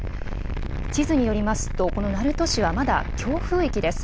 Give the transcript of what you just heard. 地図によりますとこの鳴門市はまだ強風域です。